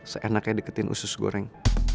seenaknya deketin usus goreng